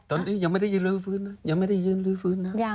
ตอนนี้ยังไม่ได้ยื่นลื้อฟื้นนะ